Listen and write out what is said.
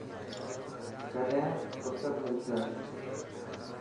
ڪڏهن فهرست ملسي.